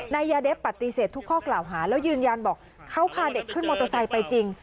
นายยาเดฟปฏิเสธทุกข้อกล่าวหาแล้วยืนยันบอกเขาพาเด็กขึ้นมอเตอร์ไซค์ไปจริง